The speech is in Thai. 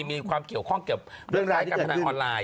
มีความเกี่ยวข้องเกี่ยวกับเรื่องของรถด้านออนไลน์